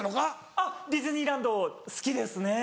あっディズニーランド好きですね。